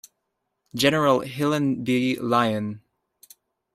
General Hylan B. Lyon.